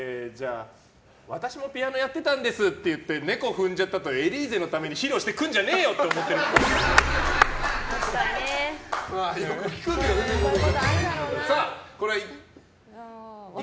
私もピアノやってたんですって言って「猫ふんじゃった」と「エリーゼのため」に披露してくんじゃねーよ！って思ってるっぽい。